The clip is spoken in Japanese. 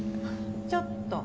ちょっと。